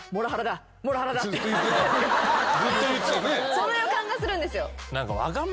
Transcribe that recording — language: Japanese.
その予感がするんですよ。